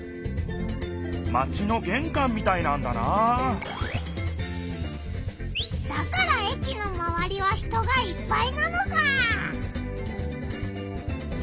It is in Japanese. マチのげんかんみたいなんだなだから駅のまわりは人がいっぱいなのか！